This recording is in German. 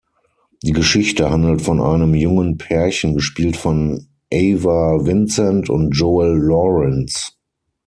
Die Geschichte handelt von einem jungen Pärchen, gespielt von Ava Vincent und Joel Lawrence.